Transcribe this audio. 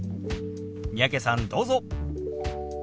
三宅さんどうぞ。